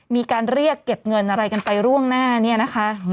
มีการเรียกเก็บเงินอะไรกันไปล่วงหน้าเนี่ยนะคะ